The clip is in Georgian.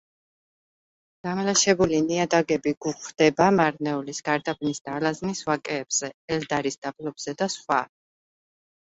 დამლაშებული ნიადაგები გვხვდება მარნეულის, გარდაბნისა და ალაზნის ვაკეებზე, ელდარის დაბლობზე და სხვა.